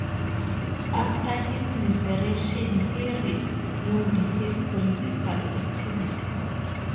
After his liberation he resumed his political activities.